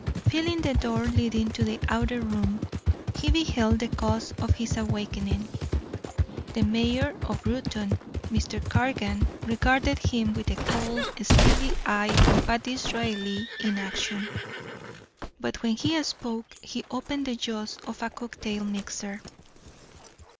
Filling the door leading to the outer room, he beheld the cause of his awakening the mayor of Reuton. Mr. Cargan regarded him with the cold steely eye of a Disraeli in action, but when he spoke he opened the jaws of a cocktail mixer.